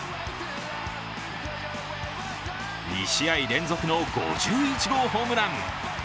２試合連続の５１号ホームラン。